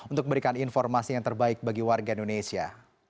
untuk memberikan informasi yang terbaik bagi warga indonesia